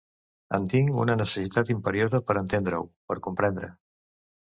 En tinc una necessitat imperiosa per entendre-ho, per comprendre.